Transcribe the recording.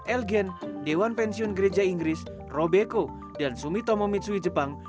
elgen dewan pensiun gereja inggris robeko dan sumitomo mitsui jepang